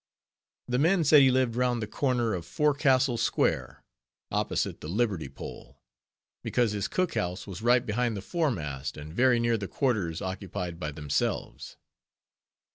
The men said he lived round the corner of Forecastle square, opposite the Liberty Pole; because his cook house was right behind the foremast, and very near the quarters occupied by themselves.